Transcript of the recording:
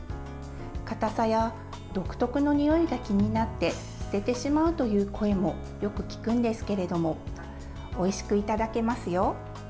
かたさや独特のにおいが気になって捨ててしまうという声もよく聞くんですけれどもおいしくいただけますよ。